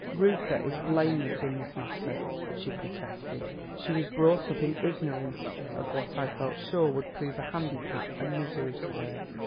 "Reuther is blameless in this matter," she protested. "She was brought up in ignorance of what I felt sure would prove a handicap and misery to her.